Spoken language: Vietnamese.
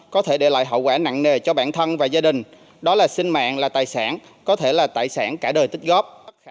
có thể để lại hậu quả nặng nề cho bản thân và gia đình đó là sinh mạng là tài sản có thể là tài sản cả đời tích góp